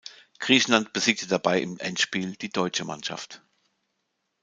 Griechenland besiegte dabei im Endspiel die deutsche Mannschaft.